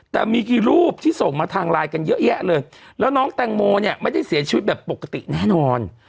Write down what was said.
แต่มีกี่รูปที่ส่งมาทางไลน์กันเยอะแยะเลยแล้วน้องแตงโมเนี่ยไม่ได้เสียชีวิตแบบปกติแน่นอน